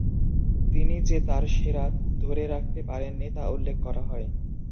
তিনি যে তার সেরা ধরে রাখতে পারেননি তা উল্লেখ করা হয়।